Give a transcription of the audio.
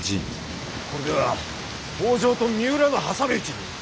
これでは北条と三浦の挟み撃ちに。